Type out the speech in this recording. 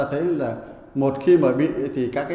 từ vật liệu veek